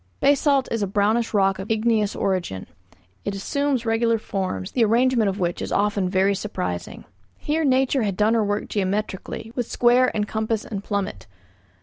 Basalt is a brownish rock of igneous origin. It assumes regular forms, the arrangement of which is often very surprising. Here nature had done her work geometrically, with square and compass and plummet.